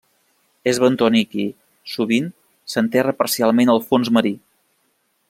És bentònic i, sovint, s'enterra parcialment al fons marí.